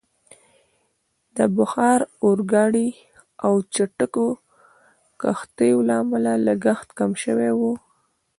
د بخار اورګاډي او چټکو کښتیو له امله لګښت کم شوی وو.